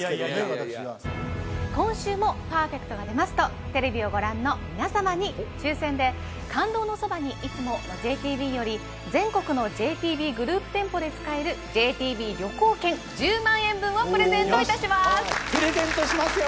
私が今週もパーフェクトが出ますとテレビをご覧の皆様に抽選で「感動のそばに、いつも。」のＪＴＢより全国のＪＴＢグループ店舗で使えるＪＴＢ旅行券１０万円分をプレゼントいたしますプレゼントしますよ！